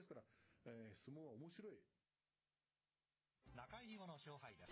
中入り後の勝敗です。